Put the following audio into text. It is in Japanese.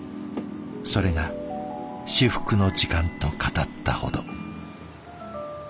それが至福の時間と語ったほど。